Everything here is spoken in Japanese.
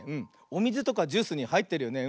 おみずとかジュースにはいってるよね。